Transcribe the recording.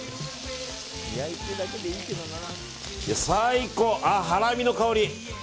最高、ハラミの香り。